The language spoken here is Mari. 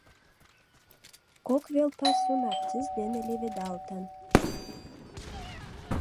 Кок вел пасу нарцисс дене леведалтын.